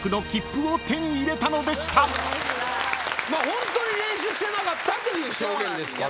ホントに練習してなかったっていう証言ですから。